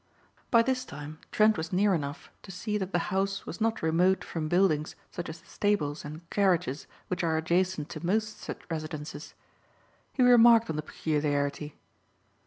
By this time Trent was near enough to see that the house was not remote from buildings such as the stables and garages which are adjacent to most such residences. He remarked on the peculiarity.